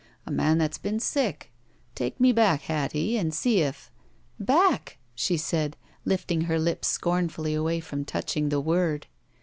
A man that's been sick. Take me back, Hattie, and see if —" "Back!" she said, lifting her lips scornfully away from touching the word.